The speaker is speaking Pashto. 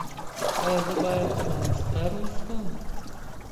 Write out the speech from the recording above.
ایا زه باید مانسټر وڅښم؟